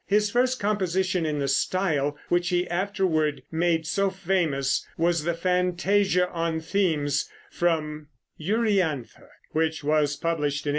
His first composition in the style which he afterward made so famous was the fantasia on themes from "Euryanthe," which was published in 1828.